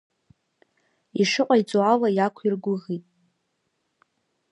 Ишыҟаиҵо ала иақәиргәыӷит.